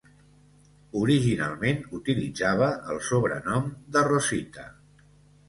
Originalment utilitzava el sobrenom de "Rosita".